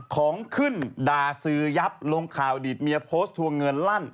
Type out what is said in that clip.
ของขึ้นด่าซื้อยับลงข่าวอดีตเมียโพสต์ทวงเงินลั่น